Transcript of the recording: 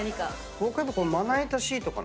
僕はやっぱまな板シートかな。